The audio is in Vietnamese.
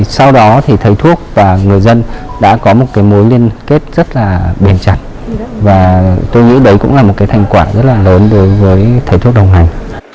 sau đó thì thầy thuốc và người dân đã có một cái mối liên kết rất là bền chặt và tôi nghĩ đấy cũng là một cái thành quả rất là lớn đối với thầy thuốc đồng hành